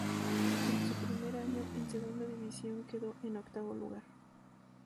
En su primer año en segunda división quedó en octavo lugar.